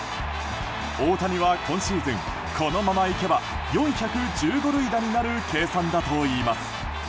大谷は今シーズンこのままいけば４１５塁打になる計算だといいます。